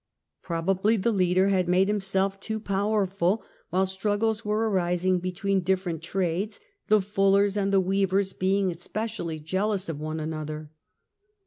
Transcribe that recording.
Probably the leader had made himself too yekietl345 powerful, while struggles were arising between different trades, the fullers and the weavers being especially jealous of one another.